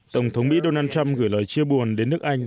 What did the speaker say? tổng thống mỹ donald trump gửi lời chia buồn đến nước anh